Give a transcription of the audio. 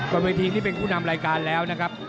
บนเวทีนี่เป็นผู้นำรายการแล้วนะครับ